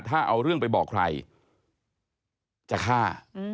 ถ้าเอาเรื่องไปบอกใครจะฆ่า